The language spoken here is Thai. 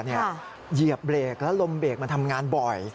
เหยียบเบรกแล้วลมเบรกมันทำงานบ่อย